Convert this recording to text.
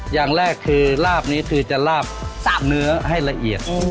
อย่างแรกคือลาบนี้คือจะลาบเนื้อให้ละเอียด